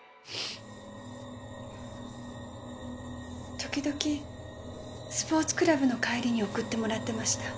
時々スポーツクラブの帰りに送ってもらってました。